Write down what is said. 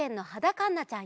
かんなちゃん。